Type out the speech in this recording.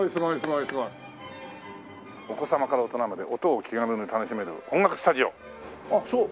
「お子さまから大人まで音を気軽に楽しめる音楽スタジオ」あっそう。